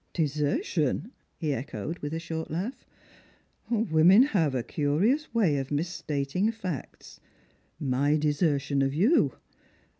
"Desertion!" he echoed, with a short laugh; "women have a curious way of misstating facts. My desertion of you